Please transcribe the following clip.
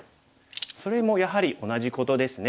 それもやはり同じことですね。